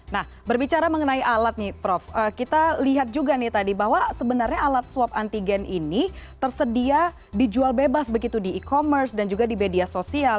nah berbicara mengenai alat nih prof kita lihat juga nih tadi bahwa sebenarnya alat swab antigen ini tersedia dijual bebas begitu di e commerce dan juga di media sosial